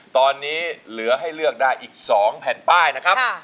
ตอนนี้เหลือให้เลือกได้อีก๒แผ่นป้ายนะครับ